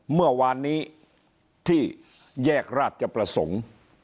เมื่อวานนี้ที่แยกราชประสงค์